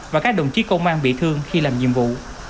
và các đồng chí công an bị thương khi làm nhiệm vụ